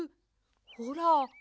ほら。